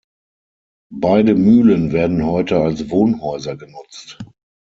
Beide Mühlen werden heute als Wohnhäuser genutzt.